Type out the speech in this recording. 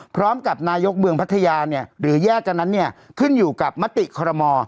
พร้อมกับนายกเมืองพัทยาหรือแยกกันนั้นเนี่ยขึ้นอยู่กับมติคอรมอ